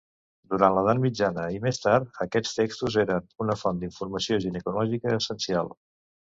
Durant l'Edat Mitjana i més tard, aquests textos eren una font d'informació ginecològica essencial.